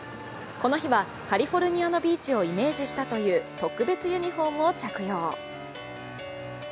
この日は、カリフォルニアのビーチをイメージしたという特別ユニフォームを着用。